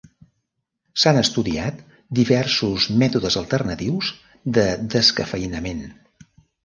S'han estudiat diversos mètodes alternatius de descafeïnament.